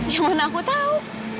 ya mana aku tahu